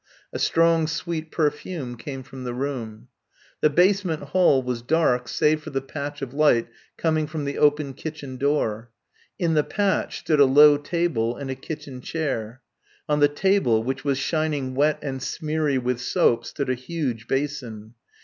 A strong sweet perfume came from the room. The basement hall was dark save for the patch of light coming from the open kitchen door. In the patch stood a low table and a kitchen chair. On the table which was shining wet and smeary with soap, stood a huge basin.